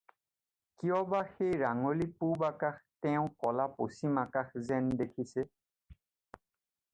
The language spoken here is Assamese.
কিয়বা সেই ৰাংগলী পূব আকাশ তেওঁ কলা পশ্চিম আকাশ যেন দেখিছে?